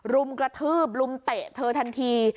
รุมกระทืบรุมเตะเธอทันที